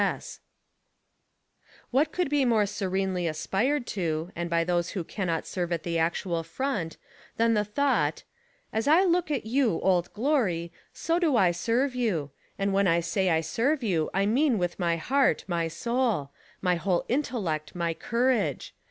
S. S. What could be more serenely aspired to, and by those who cannot serve at the actual front, than the thought: "As I look at you Old Glory so do I serve you ; and when I say I serve you I mean with my heart, my soul ; my whole intellect, my courage.